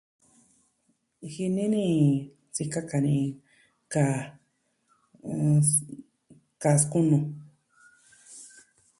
Jini ni sikaka ni kaa, kaa skunu.